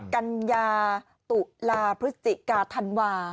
กัญญาตุลาพฤศจิกาธันวา